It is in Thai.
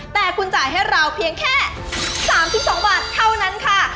แต่คุณจ่ายให้เราเพียงแค่๓๒บาทเท่านั้นค่ะ